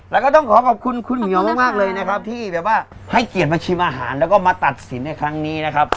แล้วก็ต้องขอขอบคุณคุณเหมียวมากเลยนะครับที่แบบว่าให้เกียรติมาชิมอาหารแล้วก็มาตัดสินในครั้งนี้นะครับ